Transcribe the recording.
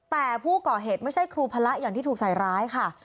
แต่ผู้ก่อเหตุไม่ใช่ครูพระอย่างที่ถูกใส่ร้ายค่ะ